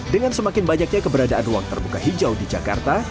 dengan semakin banyaknya keberadaan ruang terbuka hijau di jakarta